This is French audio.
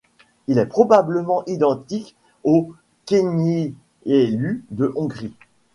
Il est probablement identique au Kéknyelű de Hongrie.